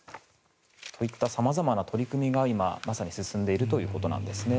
こういった様々な取り組みが今まさに進んでいるということですね。